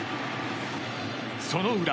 その裏。